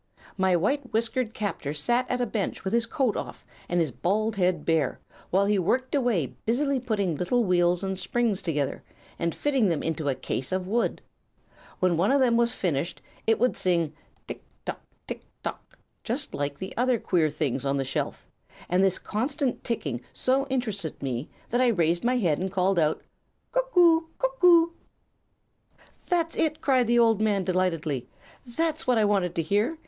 "My white whiskered captor sat at a bench with his coat off and his bald head bare, while he worked away busily putting little wheels and springs together, and fitting them into a case of wood. When one of them was finished it would sing 'tick tock! tick tock!' just like the other queer things on the shelf, and this constant ticking so interested me that I raised my head and called: "'Cuck oo! cuck oo!'" "'That's it!' cried the old man, delightedly. 'That's what I wanted to hear.